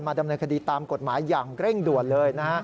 มาดำเนินคดีตามกฎหมายังเร่งด่วนเลย